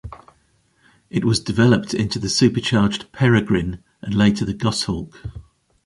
It was developed into the supercharged Peregrine and later the Goshawk.